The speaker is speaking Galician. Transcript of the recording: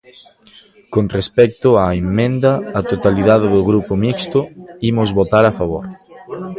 Con respecto á emenda á totalidade do Grupo Mixto, imos votar a favor.